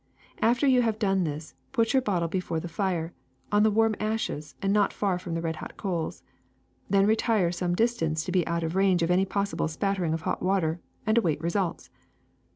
After you have done this put your bottle before the fire, on the warm ashes and not far from the red hot coals. Then retire some distance, to be out of range of any possible spattering of hot water, and await results.